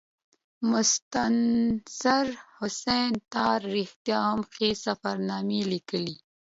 مستنصر حسین تارړ رښتیا هم ښې سفرنامې لیکلي.